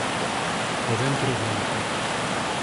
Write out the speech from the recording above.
O ventre é branco.